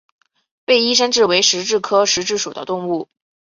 被衣山蛭为石蛭科石蛭属的动物。